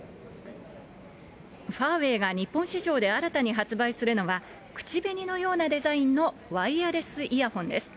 ファーウェイが日本市場で新たに発売するのは、口紅のようなデザインのワイヤレスイヤホンです。